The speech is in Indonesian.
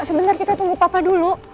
sebentar kita tunggu papa dulu